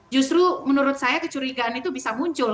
justru menurut saya kecurigaan itu bisa muncul